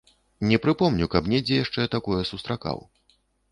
Не прыпомню, каб недзе яшчэ такое сустракаў.